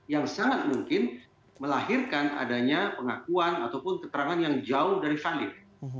yang sangat mungkin melahirkan adanya pengakuan ataupun keterangan yang jauh dari valid